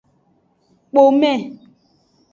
Kpome.